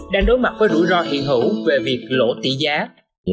đang đối mặt với rủi ro hiện hữu về việc lỗ tỷ giá